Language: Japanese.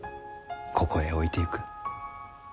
ここへ置いてゆく。